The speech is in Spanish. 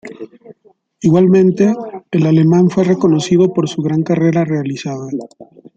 Igualmente, el alemán fue reconocido por su gran carrera realizada.